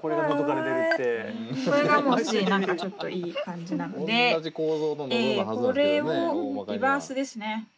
これが何かちょっといい感じなのでこれをリバースですね。